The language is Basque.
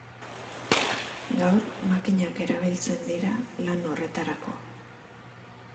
Gaur makinak erabiltzen dira lan horretarako.